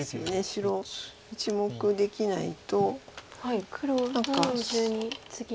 白１目できないと何か。